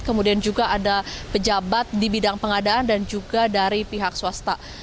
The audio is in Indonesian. kemudian juga ada pejabat di bidang pengadaan dan juga dari pihak swasta